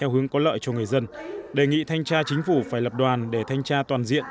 và chính phủ phải lập đoàn để thanh tra toàn diện